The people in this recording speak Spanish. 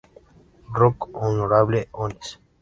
Rock on Honorable Ones!!